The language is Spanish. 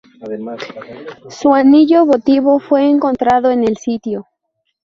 Su anillo votivo fue encontrado en el sitio.